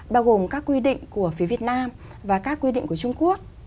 bao gồm các quy định của phía việt nam và các quy định của trung quốc